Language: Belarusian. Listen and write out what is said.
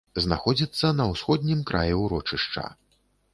Знаходзіцца на ўсходнім краі ўрочышча.